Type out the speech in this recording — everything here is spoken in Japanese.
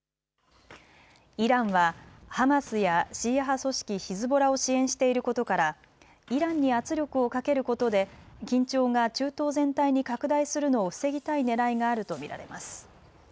イランはハマスやシーア派組織ヒズボラを支援していることからイランに圧力をかけることで緊張が中東全体に拡大するのを防ぎたいねらいがあると見られます。